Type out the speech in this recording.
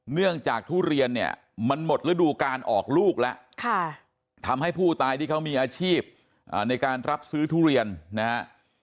เนื่องจากทุเรียนเนี่ยมันหมดฤดูการออกลูกแล้วทำให้ผู้ตายที่เขามีอาชีพในการรับซื้อทุเรียนนะฮะ